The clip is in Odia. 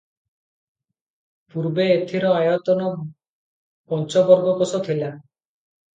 ପୂର୍ବେ ଏଥିର ଆୟତନ ପଞ୍ଚବର୍ଗକୋଶ ଥିଲା ।